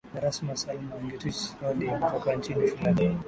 The Rasmus Alma Nightwish Lordi kutoka nchini Finland